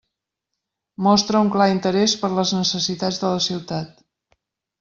Mostra un clar interès per les necessitats de la ciutat.